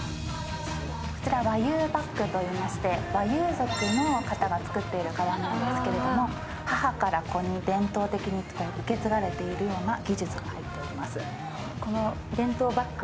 こちらはワユーバッグといいましてワユー族の方が作っているんですけど、母から子に伝統的に受け継がれているような技術が入っております。